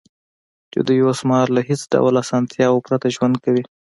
چې دوی اوس مهال له هېڅ ډول اسانتیاوو پرته ژوند کوي